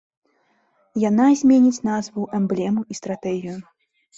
Яна зменіць назву, эмблему і стратэгію.